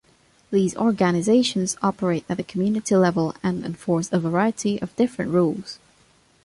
These organizations operate at the community level and enforce a variety of different rules.